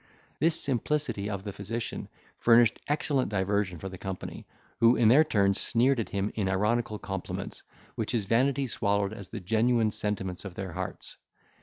This simplicity of the physician furnished excellent diversion for the company, who, in their turns, sneered at him in ironical compliments, which his vanity swallowed as the genuine sentiments of their hearts.